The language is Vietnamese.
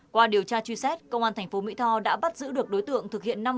qua điều tra truy xét công an tp mỹ tho đã bắt giữ được đối tượng thực hiện năm vụ trộm cắp